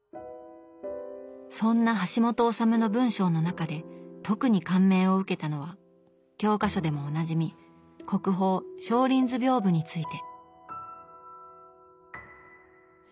そんな橋本治の文章の中で特に感銘を受けたのは教科書でもおなじみ国宝「松林図屏風」について。